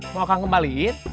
mau kang kembaliin